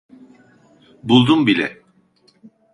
Buldum bile.